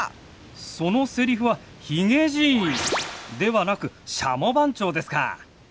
そのセリフはヒゲじいではなくシャモ番長ですか！